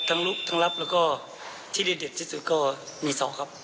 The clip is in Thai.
ลุกทั้งลับแล้วก็ที่ได้เด็ดที่สุดก็มีสองครับ